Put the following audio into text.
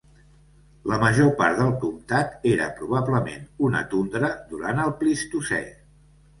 La major part del comtat era probablement una tundra durant el Plistocè.